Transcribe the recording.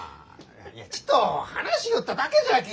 いやちと話しよっただけじゃき！